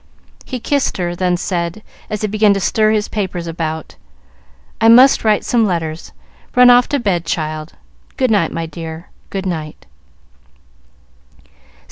He kissed her, then said, as he began to stir his papers about, "I must write some letters. Run off to bed, child. Good night, my dear, good night."